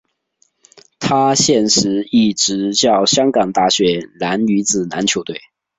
他现时亦执教香港大学男女子篮球队。